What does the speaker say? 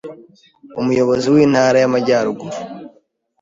Umuyobozi w’intara y’Amajyaruguru,